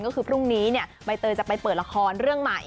ก็คือพรุ่งนี้ใบเตยจะไปเปิดละครเรื่องใหม่